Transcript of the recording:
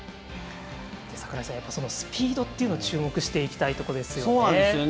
櫻井さんスピードというのは注目していきたいところですよね。